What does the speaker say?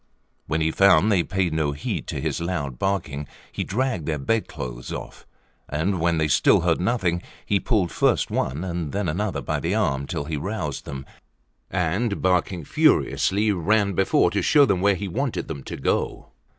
When he found they paid no heed to his loud barking, he dragged their bed clothes off; and when they still heard nothing, he pulled first one and then another by the arm till he roused them, and, barking furiously, ran before to show them where he wanted them to go.